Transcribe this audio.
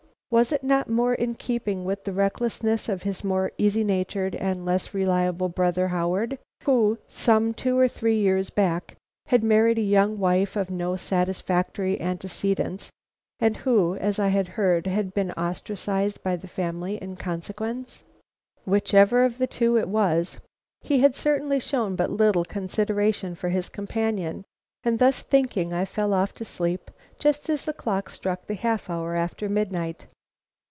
Was it not more in keeping with the recklessness of his more easy natured and less reliable brother, Howard, who, some two or three years back, had married a young wife of no very satisfactory antecedents, and who, as I had heard, had been ostracized by the family in consequence? Whichever of the two it was, he had certainly shown but little consideration for his companion, and thus thinking, I fell off to sleep just as the clock struck the half hour after midnight.